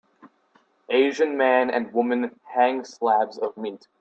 Asian man and woman hang slabs of meat.